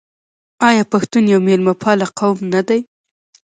آیا پښتون یو میلمه پال قوم نه دی؟